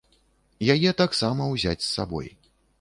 Яе таксама ўзяць з сабой.